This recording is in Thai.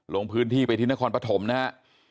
ลงพื้นที่ไปที่นครปฐมนะฮะ